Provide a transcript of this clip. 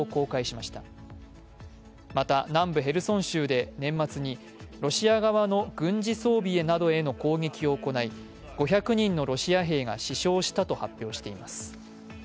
また、南部ヘルソン州で年末にロシア側の軍事装備などへの攻撃を行い、５００人のロシア兵が死傷したと発表しています。